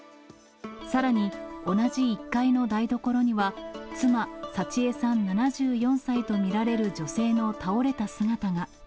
さらに、同じ１階の台所には、妻、幸枝さん７４歳と見られる女性の倒れた姿が。